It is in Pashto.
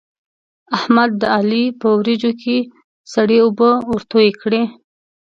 احمد د علي په وريجو کې سړې اوبه ورتوی کړې.